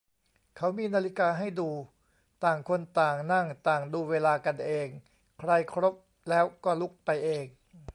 เขามีนาฬิกาให้ดู ต่างคนต่างนั่งต่างดูเวลากันเอง ใครครบแล้วก็ลุกไปเอง